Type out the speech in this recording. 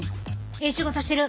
ええ仕事してる。